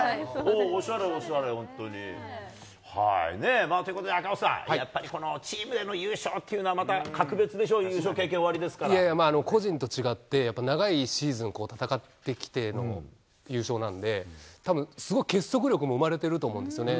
おしゃれ、おしゃれ、本当に。ということで赤星さん、やっぱりこのチームでの優勝っていうのは、また格別でしょう、優勝経験おあ個人と違って、やっぱ長いシーズン、戦ってきての優勝なんで、たぶん、すごい結束力も生まれてると思うんですよね、